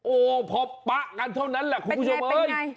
โอ้โหพอปะกันเท่านั้นแหละคุณผู้ชมเอ้ย